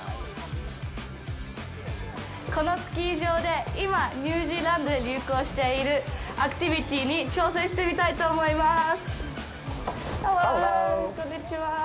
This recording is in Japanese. このスキー場で今、ニュージーランドで流行しているアクティビティに挑戦してみたいと思います。